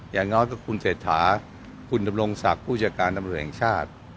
อย่างน้อยก็คุณเศรษฐาคุณดำรงศักดิ์ผู้จัดการตำรวจแห่งชาติ